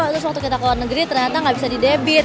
terus waktu kita keluar negeri ternyata gak bisa di debit